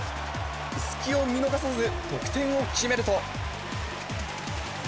隙を見逃さず、得点を決めると。